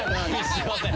すいません。